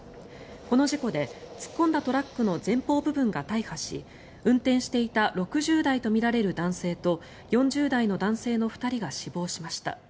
この事故で突っ込んだトラックの前方部分が大破し運転していた６０代とみられる男性と４０代の男性の２人が死亡しました。